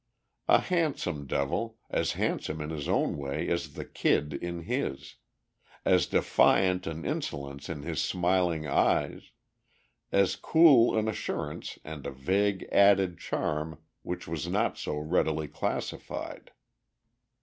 A handsome devil, as handsome in his own way as the Kid in his, as defiant an insolence in his smiling eyes, as cool an assurance and a vague added charm which was not so readily classified.